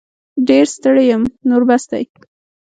ډير ستړې یم نور بس دی